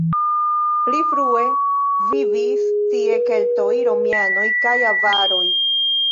Pli frue vivis tie keltoj, romianoj kaj avaroj.